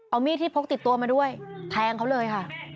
เอามีดที่พกติดตัวมาด้วยแทงเขาเลยค่ะ